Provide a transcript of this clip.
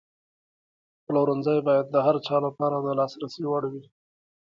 پلورنځی باید د هر چا لپاره د لاسرسي وړ وي.